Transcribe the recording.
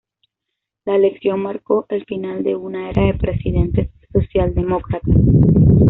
La elección marcó el final de una era de presidentes socialdemócratas.